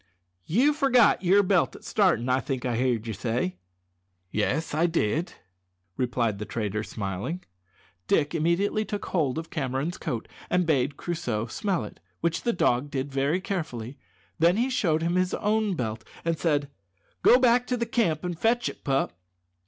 "You forgot your belt at starting, I think I heerd ye say." "Yes, I did," replied the trader, smiling. Dick immediately took hold of Cameron's coat, and bade Crusoe smell it, which the dog did very carefully. Then he showed him his own belt and said, "Go back to the camp and fetch it, pup."